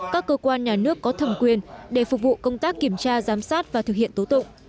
các cơ quan nhà nước có thẩm quyền để phục vụ công tác kiểm tra giám sát và thực hiện tố tụng